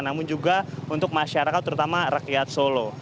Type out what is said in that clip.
namun juga untuk masyarakat terutama rakyat solo